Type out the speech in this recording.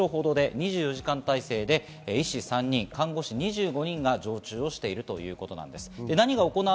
２４時間体制で医師３人、看護師２５人が常駐しているということです。